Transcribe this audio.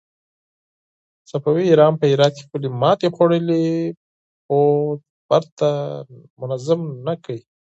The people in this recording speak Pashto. صفوي ایران په هرات کې خپل ماتې خوړلی پوځ بېرته منظم نه کړ.